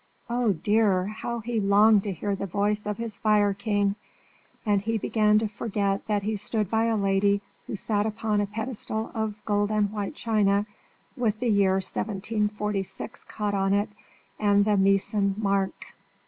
Oh dear! how he longed to hear the voice of his fire king! And he began to forget that he stood by a lady who sat upon a pedestal of gold and white china, with the year 1746 cut on it, and the Meissen mark.